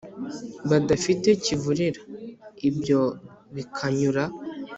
Badafite kivurira ibyo bikanyura